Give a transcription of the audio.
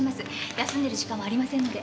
休んでる時間はありませんので。